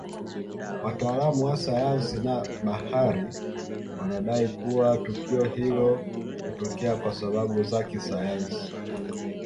Wataalamu wa sayansi ya bahari wanadai kua tukio hilo hutokea kwasababu za kisayansi